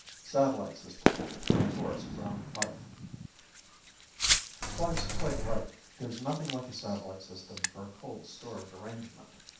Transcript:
SATELLITE SYSTEM By H. B. FYFE _Fyfe's quite right ... there's nothing like a satellite system for a cold storage arrangement.